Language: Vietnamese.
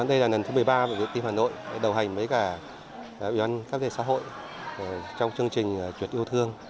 đây là lần thứ một mươi ba của đội tiêm hà nội đầu hành với cả ủy ban các đề xã hội trong chương trình chuyện yêu thương